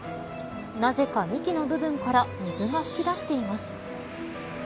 なぜか幹の部分から水が噴き出しています。